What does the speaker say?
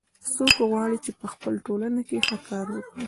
څوک غواړي چې په خپل ټولنه کې ښه کار وکړي